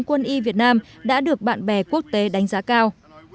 quân y việt nam đã được bạn bè quốc tế đánh giá cao